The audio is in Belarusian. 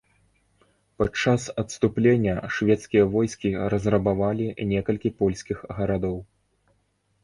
Падчас адступлення шведскія войскі разрабавалі некалькі польскіх гарадоў.